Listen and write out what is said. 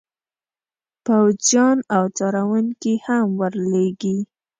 پوځیان او څارونکي هم ور لیږي.